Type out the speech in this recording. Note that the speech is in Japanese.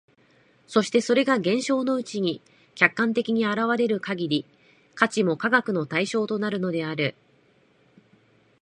そしてそれが現象のうちに客観的に現れる限り、価値も科学の対象となるのである。